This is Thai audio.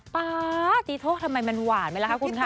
ป๊าตีโทษทำไมมันหวานไหมล่ะคะคุณคะ